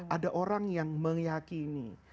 ada orang yang meyakini